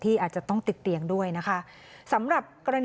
โอ้บางครั้งได้ยินแล้วมันเหมือน